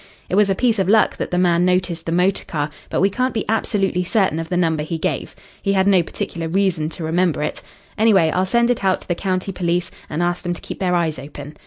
It was a piece of luck that the man noticed the motor car, but we can't be absolutely certain of the number he gave. He had no particular reason to remember it. Anyway, I'll send it out to the county police, and ask them to keep their eyes open.